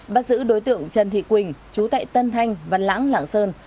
bắt giữ đối tượng trần thị quỳnh chú tại tân thanh văn lãng lạng sơn